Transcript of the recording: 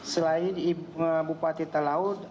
selain bupati talaut